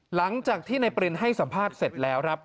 หลังจากที่นายปรินให้สัมภาษณ์เสร็จแล้วครับ